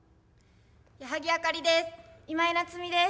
矢作あかりです。